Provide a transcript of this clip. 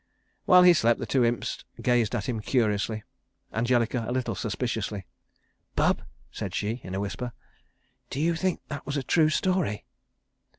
While he slept the two Imps gazed at him curiously, Angelica, a little suspiciously. "Bub," said she, in a whisper, "do you think that was a true story?"